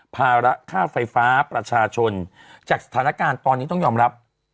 ภาระค่าไฟฟ้าประชาชนจากสถานการณ์ตอนนี้ต้องยอมรับ